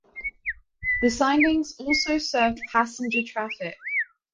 The sidings also served passenger traffic.